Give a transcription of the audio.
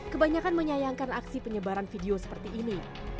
kebanyakan menyayangkan aksi penyebaran video seperti ini